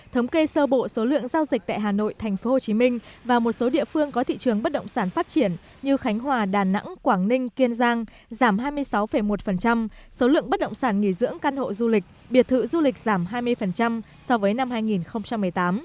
thống kê sơ bộ số lượng giao dịch tại hà nội tp hcm và một số địa phương có thị trường bất động sản phát triển như khánh hòa đà nẵng quảng ninh kiên giang giảm hai mươi sáu một số lượng bất động sản nghỉ dưỡng căn hộ du lịch biệt thự du lịch giảm hai mươi so với năm hai nghìn một mươi tám